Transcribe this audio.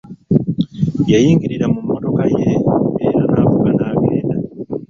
Yayingirira mu mmotoka ye era n'avuga n'agenda.